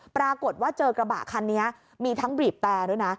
ปรากฏว่าเจอกระบะคันนี้มีทั้งบีบแต่ด้วยนะ